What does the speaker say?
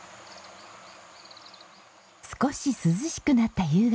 少し涼しくなった夕方。